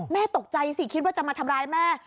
แม่ตกใจสิคิดว่าจะมาทำร้ายแม่